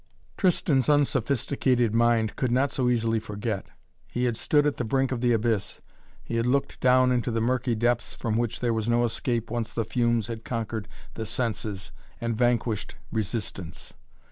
Tristan's unsophisticated mind could not so easily forget. He had stood at the brink of the abyss, he had looked down into the murky depths from which there was no escape once the fumes had conquered the senses and vanquished resistance.